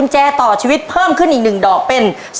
แจต่อชีวิตเพิ่มขึ้นอีก๑ดอกเป็น